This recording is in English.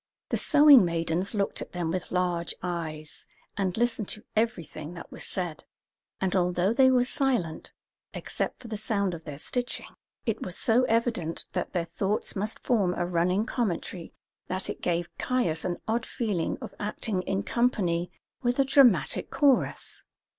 The sewing maidens looked at them with large eyes, and listened to everything that was said; and although they were silent, except for the sound of their stitching, it was so evident that their thoughts must form a running commentary that it gave Caius an odd feeling of acting in company with a dramatic chorus.